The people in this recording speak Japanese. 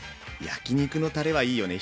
焼き肉のたれはいいよね。